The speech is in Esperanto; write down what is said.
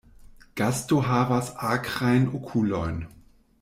Gasto havas akrajn okulojn.